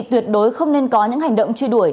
tuyệt đối không nên có những hành động truy đuổi